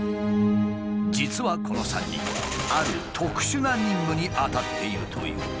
実はこの３人ある特殊な任務に当たっているという。